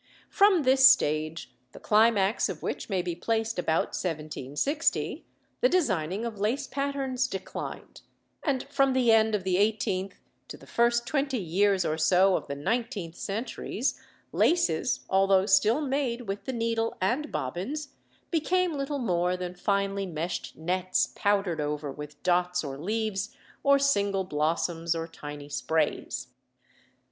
From this stage, the climax of which may be placed about 1760, the designing of lace patterns declined; and from the end of the eighteenth to the first twenty years or so of the nineteenth centuries, laces, although still made with the needle and bobbins, became little more than finely meshed nets powdered over with dots or leaves, or single blossoms, or tiny sprays.